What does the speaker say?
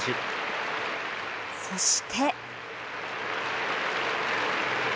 そして。